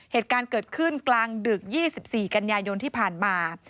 เหตุการณ์เกิดขึ้นกลางดึก๒๔กันยายนที่ผ่านมา